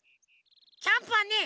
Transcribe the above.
キャンプはね